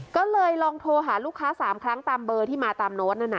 ก็เลยลองโทรหาลูกค้า๓ครั้งตามเบอร์ที่มาตามโน้ตนั่นน่ะ